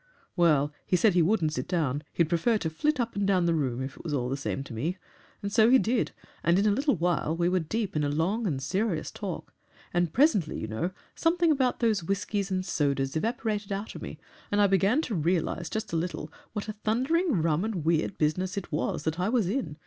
"Well, he said he wouldn't sit down! he'd prefer to flit up and down the room if it was all the same to me. And so he did, and in a little while we were deep in a long and serious talk. And presently, you know, something of those whiskies and sodas evaporated out of me, and I began to realise just a little what a thundering rum and weird business it was that I was in.